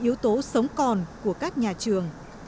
là yếu tố sống còn của các nhà trường